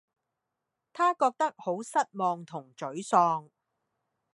她覺得好失望同沮喪